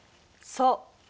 そう。